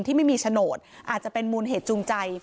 ที่ไม่มีโฉนดอาจจะเป็นมูลเหตุจูงใจ